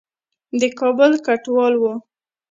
د کابل کوټوال وو.